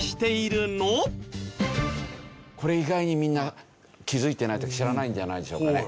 これ意外にみんな気づいてないっていうか知らないんじゃないでしょうかね。